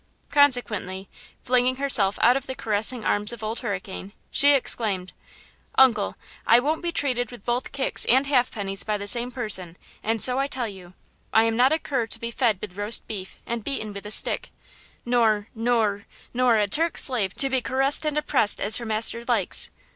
Consequently, flinging herself out of the caressing arms of Old Hurricane, she exclaimed: "Uncle, I won't be treated with both kicks and halfpennies by the same person, and so I tell you. I am not a cur to be fed with roast beef and beaten with a stick, nor–nor–nor a Turk's slave to be caressed and oppressed as her master likes.